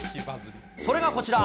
それがこちら。